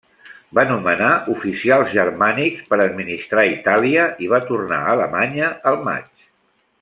Va nomenar oficials germànics per administrar Itàlia i va tornar a Alemanya el maig.